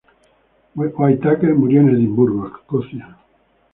Whittaker murió en Edimburgo, Escocia.